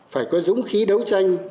phải có dũng khí đấu tranh